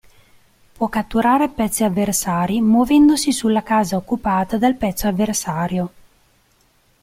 Può catturare pezzi avversari muovendosi sulla casa occupata dal pezzo avversario.